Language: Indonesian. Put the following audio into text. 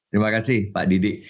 terima kasih pak didi